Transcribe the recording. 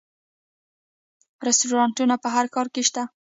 رستورانتونه په هر ښار کې شته